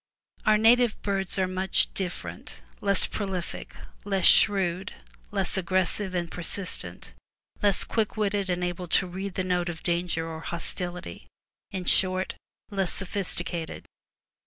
Our native birds are much different, less prolific, less shrewd, less aggressive and persistent, less quick witted and able to read the note of danger or hostility, — in short, less sophisticated.